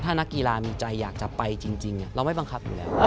ถ้านักกีฬามีใจอยากจะไปจริงเราไม่บังคับอยู่แล้ว